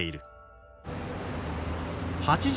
８０